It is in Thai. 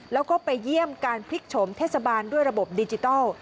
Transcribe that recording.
แล้วก็ไปเยี่ยมการพลิกโฉมเทศบาลด้วยระบบดิจิทัล